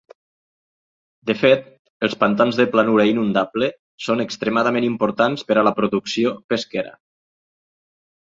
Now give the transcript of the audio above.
De fet, els pantans de planura inundable són extremadament importants per a la producció pesquera.